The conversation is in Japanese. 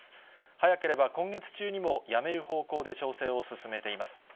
早ければ今月中にもやめる方向で調整を進めています。